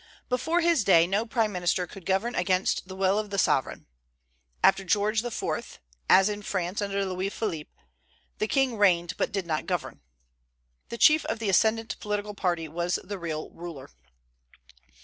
Before his day, no prime minister could govern against the will of the sovereign. After George IV., as in France under Louis Philippe, "the king reigned, but did not govern." The chief of the ascendent political party was the real ruler.